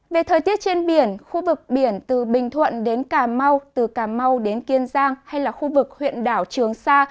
về thời tiết trên biển khu vực biển từ bình thuận đến cà mau từ cà mau đến kiên giang hay là khu vực huyện đảo trường sa